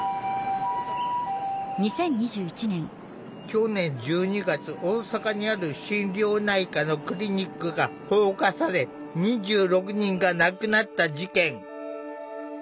去年１２月大阪にある心療内科のクリニックが放火され２６人が亡くなった事件。